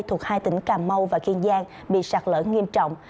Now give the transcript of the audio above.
thuộc hai tỉnh cà mau và kiên giang bị sạt lở nghiêm trọng